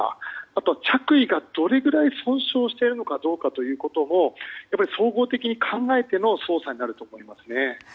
あと、着衣がどれぐらい損傷しているのかどうかということも総合的に考えての捜査になると思います。